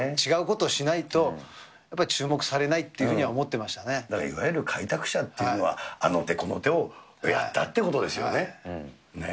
違うことをしないと、やっぱり注目されないというふうには思ってだからいわゆる開拓者っていうのは、あの手この手をやったっていうことですよね。